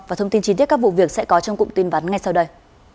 và thông tin chi tiết các vụ việc sẽ có trong cụm tin vắn ngay sau đây